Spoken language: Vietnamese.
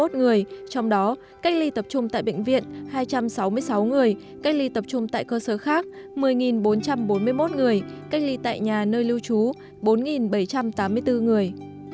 trong đó cách ly tập trung tại bệnh viện hai trăm sáu mươi sáu người cách ly tập trung tại cơ sở khác một mươi bốn trăm bốn mươi một người cách ly tại nhà nơi lưu trú bốn bảy trăm tám mươi bốn người